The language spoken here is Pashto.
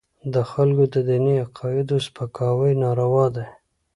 د خلکو د دیني عقایدو سپکاوي ناروا دی.